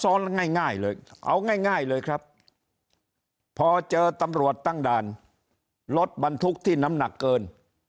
ง่ายง่ายเลยเอาง่ายง่ายเลยครับพอเจอตำรวจตั้งด่านรถบรรทุกที่น้ำหนักเกิน